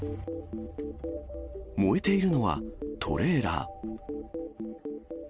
燃えているのは、トレーラー。